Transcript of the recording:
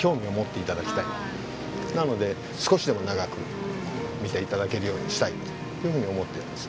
なので少しでも長く見て頂けるようにしたいというふうに思っています。